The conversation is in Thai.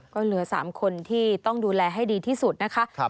ก็เหลือ๓คนที่ต้องดูแลให้ดีที่สุดนะคะ